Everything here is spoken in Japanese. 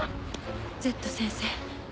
Ｚ先生。